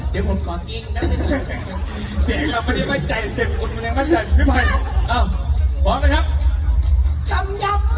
ชอดที่ไม่กุยกันก่อนเลยได้ขอเกงก่อน